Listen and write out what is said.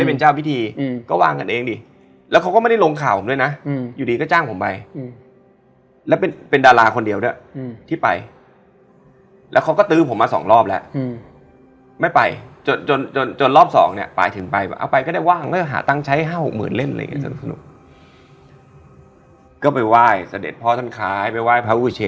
ตอนที่กินมีคนเห็นไหมเห็นเพราะเราก็ให้เราก็กินให้ทุกคนดู